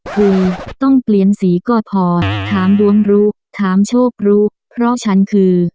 คุณต้องเปลี่ยนสีก็พอถามดวงรู้ถามโชครู้เพราะฉันคือ